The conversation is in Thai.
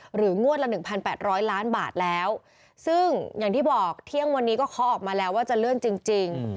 หรืองวดละหนึ่งพันแปดร้อยล้านบาทแล้วซึ่งอย่างที่บอกเที่ยงวันนี้ก็คอออกมาแล้วว่าจะเลื่อนจริงจริง